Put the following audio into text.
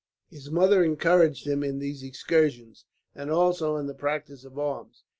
His mother encouraged him in these excursions, and also in the practice of arms.